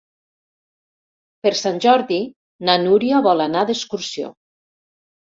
Per Sant Jordi na Núria vol anar d'excursió.